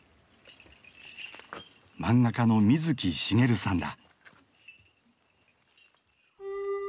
漫画家の水木しげるさんだ。